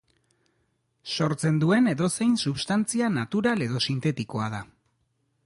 Sortzen duen edozein substantzia natural edo sintetikoa da.